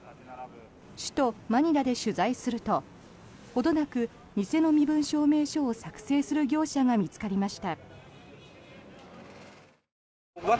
首都マニラで取材するとほどなく偽の身分証明書を作成する業者が見つかりました。